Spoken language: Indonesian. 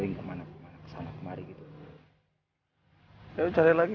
hai yang ini bukan orangnya bukan bukan gorengan mas ya udah cari lagi